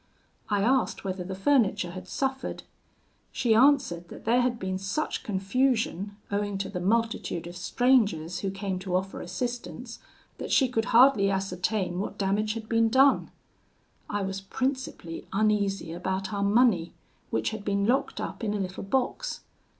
I asked whether the furniture had suffered. She answered, that there had been such confusion, owing to the multitude of strangers who came to offer assistance, that she could hardly ascertain what damage had been done. I was principally uneasy about our money, which had been locked up in a little box.